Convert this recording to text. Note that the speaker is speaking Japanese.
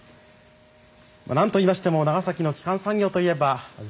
なんといいましても長崎の基幹産業といえば造船です。